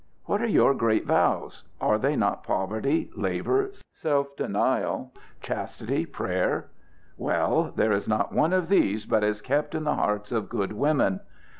What are your great vows? Are they not poverty, labor, self denial, chastity, prayer? Well, there is not one of these but is kept in the hearts of good women.